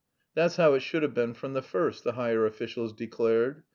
"That's how it should have been from the first," the higher officials declared.